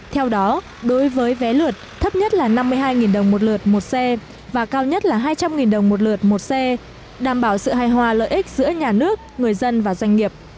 theo đó đối với vé lượt thấp nhất là năm mươi hai đồng một lượt một xe và cao nhất là hai trăm linh đồng một lượt một xe đảm bảo sự hài hòa lợi ích giữa nhà nước người dân và doanh nghiệp